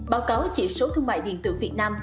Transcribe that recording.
báo cáo chỉ số thương mại điện tử việt nam